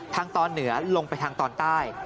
ตอนเหนือลงไปทางตอนใต้